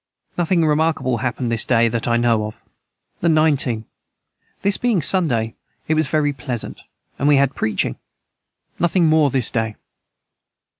Nothing remarkable hapned this day that I know of. the 19. This day being Sunday it was very pleasant and we had Preaching Nothing more this day.